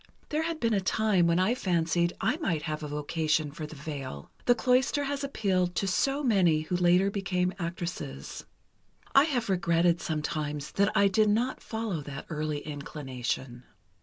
There had been a time when I fancied I might have a vocation for the veil. The cloister has appealed to so many who later became actresses. I have regretted, sometimes, that I did not follow that early inclination.